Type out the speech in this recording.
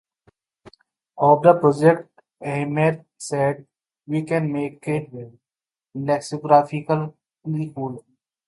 Of the project Ashmead said "we can make lexicography cool".